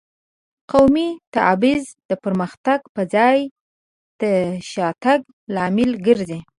قومي تبعیض د پرمختګ په ځای د شاتګ لامل ګرځي.